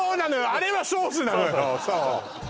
あれはソースなのよ